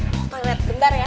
mau tonton net gendar ya